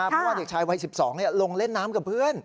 เพราะว่าเด็กชายวัย๑๒ลงเล่นน้ำกับเพื่อน